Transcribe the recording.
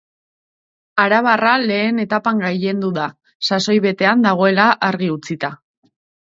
Arabarra lehen etapan gailendu da, sasoi betean dagoela argi utzita.